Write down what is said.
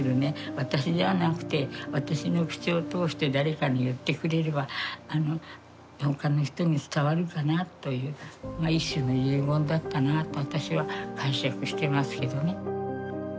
私じゃなくて私の口を通して誰かに言ってくれれば他の人に伝わるかなという一種の遺言だったなと私は解釈してますけどね。